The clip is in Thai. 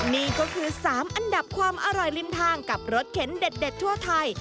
นี่ก็คือ๓อันดับความอร่อยริมทางกับรสเข็นเด็ดทั่วไทย